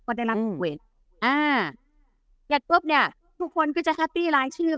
ก็ได้รับเวทอ่าเสร็จปุ๊บเนี้ยทุกคนก็จะแฮปปี้รายชื่อ